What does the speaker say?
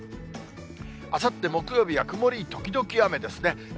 あさって木曜日は曇り時々雨ですね。